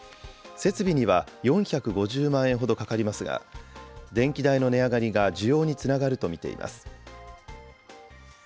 設備には４５０万円ほどかかりますが、電気代の値上がりが需要につながると見ています。